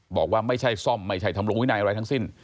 บอกว่าไม่ใช่ซ่อมไม่ใช่ทำลงวินัยอะไรทั้งสิ้น